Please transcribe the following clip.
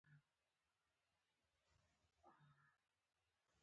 که بيټسمېن ښه ولوبېږي، زیات رنزونه جوړوي.